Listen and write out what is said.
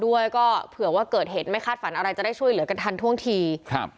ด้วยก็เผื่อว่าเกิดเหตุไม่คาดฝันอะไรจะได้ช่วยเหลือกันทันท่วงทีครับ